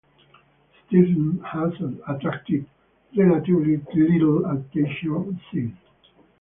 Stevens has attracted relatively little attention since.